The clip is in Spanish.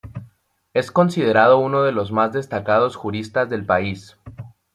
Es considerado uno de los más destacados juristas del país.